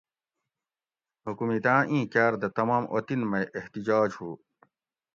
حُکومِت آۤں اِیں کاۤر دہ تمام اُطن مئ احتجاج ہُو